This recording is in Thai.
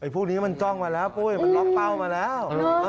พวกนี้มันจ้องมาแล้วปุ้ยมันล็อกเป้ามาแล้ว